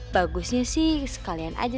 bagusnya sih sekali aja